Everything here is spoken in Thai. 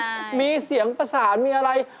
มีเสียงประสานมีอะไร